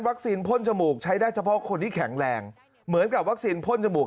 พ่นจมูกใช้ได้เฉพาะคนที่แข็งแรงเหมือนกับวัคซีนพ่นจมูก